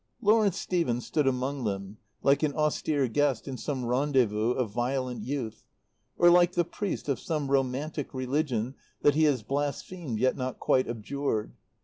Lawrence Stephen stood among them like an austere guest in some rendezvous of violent youth, or like the priest of some romantic religion that he has blasphemed yet not quite abjured.